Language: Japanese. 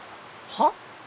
はっ？